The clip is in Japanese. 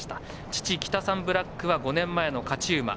父、キタサンブラックは５年前の勝ち馬。